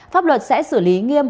pháp luật sẽ xử lý nghiêm